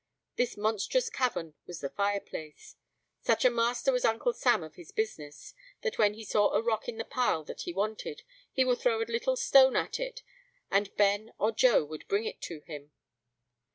This monstrous cavern was the fireplace. Such a master was Uncle Sam of his business, that when he saw a rock in the pile that he wanted, he would throw a little stone at it, and Ben or Joe would bring it to him.